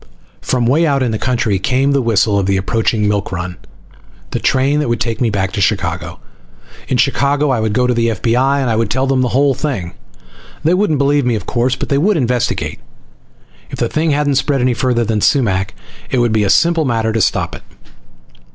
From way out in the country came the whistle of the approaching milk run, the train that would take me back to Chicago. In Chicago I would go to the F.B.I, and tell them the whole thing. They wouldn't believe me, of course, but they would investigate. If the thing hadn't spread any farther than Sumac it would be a simple matter to stop it.